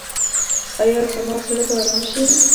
ایا زما زړه به ارام شي؟